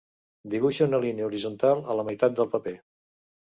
Dibuixa una línia horitzontal a la meitat del paper.